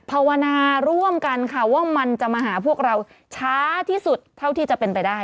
ภาวนาร่วมกันค่ะว่ามันจะมาหาพวกเราช้าที่สุดเท่าที่จะเป็นไปได้